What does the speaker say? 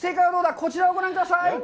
こちらをご覧ください。